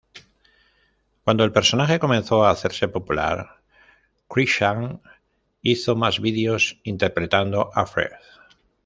Cuando el personaje comenzó a hacerse popular, Cruikshank hizo más vídeos interpretando a Fred.